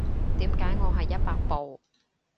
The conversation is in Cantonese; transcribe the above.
點解我係一百步